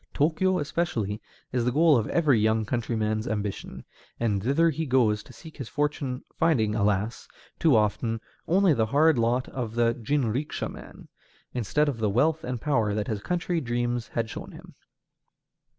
Tōkyō especially is the goal of every young countryman's ambition, and thither he goes to seek his fortune, finding, alas! too often, only the hard lot of the jinrikisha man, instead of the wealth and power that his country dreams had shown him.